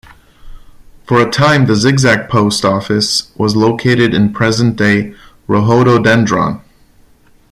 For a time the Zigzag post office was located in present-day Rhododendron.